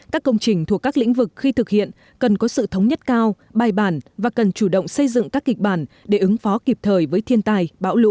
các công trình thuộc các lĩnh vực khi thực hiện cần có sự thống nhất cao bài bản và cần chủ động xây dựng các kịch bản để ứng phó kịp thời với thiên tài